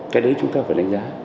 cái đấy chúng ta phải đánh giá